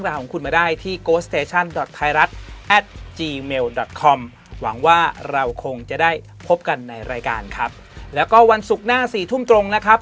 นทำรายการครับแล้วก็วันศุกร์หน้าสี่ทุ่มตรงนะครับ